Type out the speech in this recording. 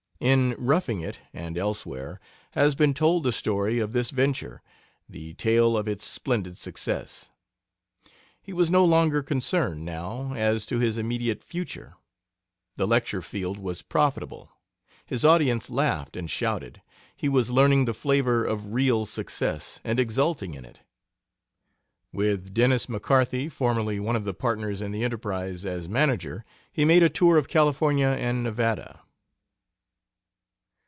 In Roughing It, and elsewhere, has been told the story of this venture the tale of its splendid success. He was no longer concerned, now, as to his immediate future. The lecture field was profitable. His audience laughed and shouted. He was learning the flavor of real success and exulting in it. With Dennis McCarthy, formerly one of the partners in the Enterprise, as manager, he made a tour of California and Nevada.